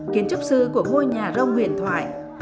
kiến trúc sư của ngôi nhà rông huyền thoại